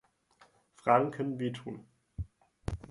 Fragen können weh tun.